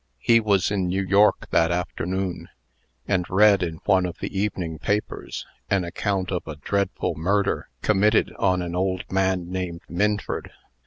He was in New York that afternoon, and read, in one of the evening papers, an account of a dreadful murder committed on an old man named Minford.